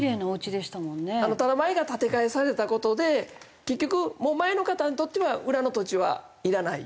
ただ前が建て替えされた事で結局もう前の方にとっては裏の土地はいらない。